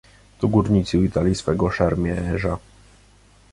"To górnicy witali swego szermierza."